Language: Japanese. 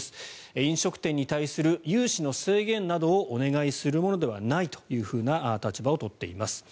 飲食店に対する融資の制限などをお願いするものではないという立場を取っています。